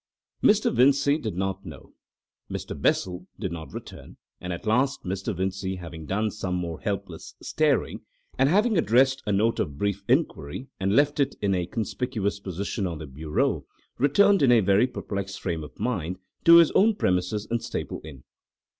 Mr. Vincey did not know. Mr. Bessel did not return, and at last Mr. Vincey, having done some more helpless staring, and having addressed a note of brief inquiry and left it in a conspicuous position on the bureau, returned in a very perplexed frame of mind to his own premises in Staple Inn.